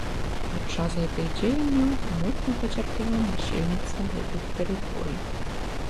Падчас гэтых дзеянняў моцна пацярпела насельніцтва гэтых тэрыторый.